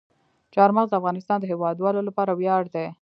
چار مغز د افغانستان د هیوادوالو لپاره ویاړ دی.